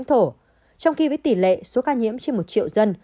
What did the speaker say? trong khi với tỷ lệ số ca nhiễm trên một triệu dân